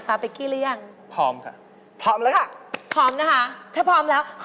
สายตาของเธอดูแบบอ่อนต่อโลค